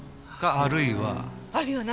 あるいは何？